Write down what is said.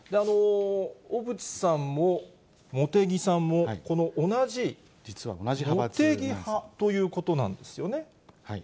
小渕さんも茂木さんも、この同じ茂木派ということなんですよね。